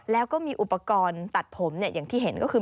แล้วก็มีอุปกรณ์ตัดผมอย่างที่เห็นก็คือ